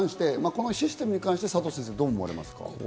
このシステムに関して佐藤先生、どう思われます？